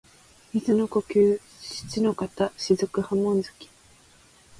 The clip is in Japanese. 水の呼吸漆ノ型雫波紋突き（しちのかたしずくはもんづき）